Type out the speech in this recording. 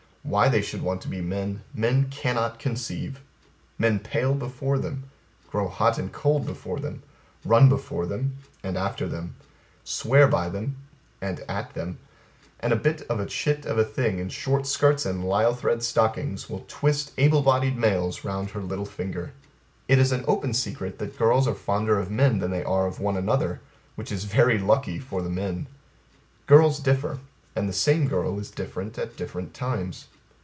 Why they should want to be men, men cannot conceive. Men pale before them, grow hot and cold before them, run before them (and after them), swear by them (and at them), and a bit of a chit of a thing in short skirts and lisle thread stockings will twist able bodied males round her little finger. It is an open secret that girls are fonder of men than they are of one another which is very lucky for the men. Girls differ; and the same girl is different at different times.